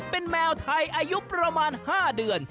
เป็นแมวไทยอายุประมาณ๕เดือน